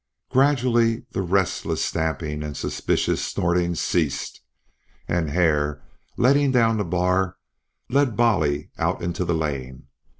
Gradually the restless stampings and suspicious snortings ceased, and Hare, letting down the bars, led Bolly out into the lane.